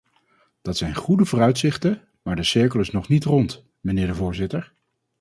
Dat zijn goede vooruitzichten, maar de cirkel is nog niet rond, mijnheer de voorzitter.